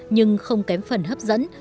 nhưng không kém phần hấp dẫn